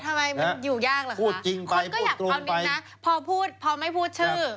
ทำไมมันอยู่ยากหรอกฮะคนก็อยากถามิกนะพอไม่พูดชื่อ